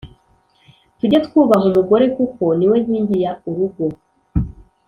Tujye twubaha umugore kuko niwe nkingi ya urugo